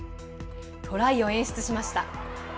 トライを演出しました。